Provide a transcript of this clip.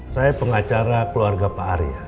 saya pengacara keluarga pak arya